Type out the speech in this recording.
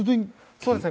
そうですね。